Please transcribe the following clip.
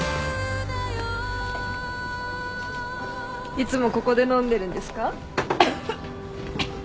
いつもここで飲んでるんですか？